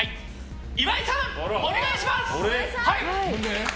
岩井さん、お願いします！